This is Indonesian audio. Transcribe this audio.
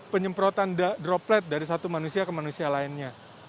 penyemprotan droplet dari satu manusia ke manusia lainnya